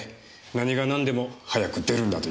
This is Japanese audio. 何がなんでも早く出るんだという。